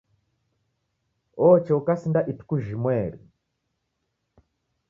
Wocha, ukasinda ituku jhimweri